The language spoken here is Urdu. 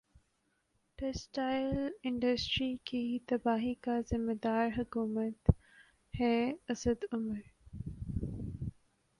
ٹیکسٹائل انڈسٹری کی تباہی کی ذمہ دار حکومت ہے اسد عمر